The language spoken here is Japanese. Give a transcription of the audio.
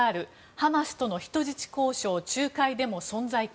ハマスとの人質交渉仲介でも存在感。